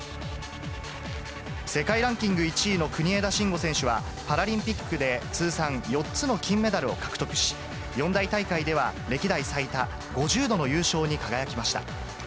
世界ランキング１位の国枝慎吾選手は、パラリンピックで通算４つの金メダルを獲得し、四大大会では、歴代最多５０度の優勝に輝きました。